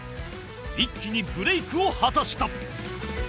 一気にブレイクを果たした